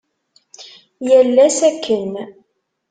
Yal ass akken.